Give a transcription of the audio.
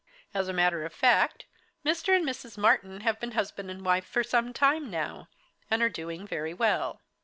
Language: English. As a matter of fact, Mr. and Mrs. Martyn have been husband and wife for some time now, and are doing very well.